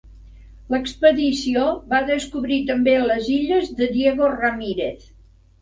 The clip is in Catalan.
L'expedició va descobrir també les Illes de Diego Ramírez.